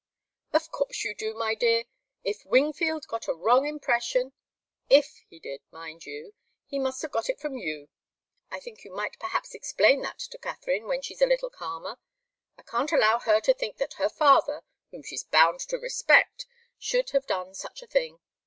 "Of course you do, my dear. If Wingfield got a wrong impression, 'if he did,' mind you, he must have got it from you. I think you might perhaps explain that to Katharine when she's a little calmer. I can't allow her to think that her father, whom she's bound to respect, should have done such a thing.